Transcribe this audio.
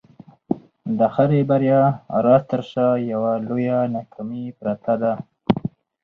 د هري بریا راز تر شا یوه لویه ناکامي پرته ده.